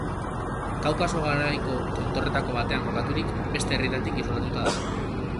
Kaukaso garaiko tontorretako batean kokaturik, beste herrietatik isolatuta dago.